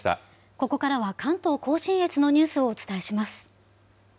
ここからは関東甲信越のニュースをお伝えします。